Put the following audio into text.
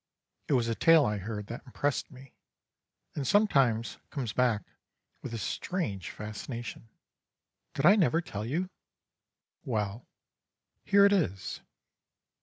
It was a tale I heard that impressed me, and sometimes comes back with a strange fascination. Did I never tell you? Well, here it is.